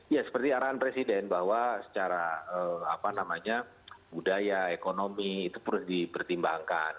ya seperti arahan presiden bahwa secara budaya ekonomi itu perlu dipertimbangkan